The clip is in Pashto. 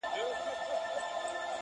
په خپل کور کي یې پردی پر زورور دی-